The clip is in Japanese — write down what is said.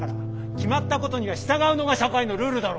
決まったことには従うのが社会のルールだろ。